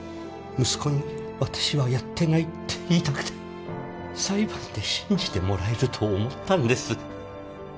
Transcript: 息子に「私はやってない」って言いたくて裁判で信じてもらえると思ったんです